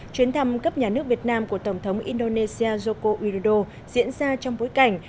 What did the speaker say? chuyến thăm cấp nhà nước việt nam của tổng thống indonesia joko udodo diễn ra trong bối cảnh